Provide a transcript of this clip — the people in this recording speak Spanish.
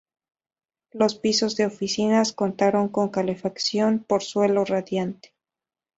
Los pisos de oficinas contaron con calefacción por suelo radiante.